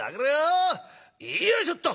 よいしょっと！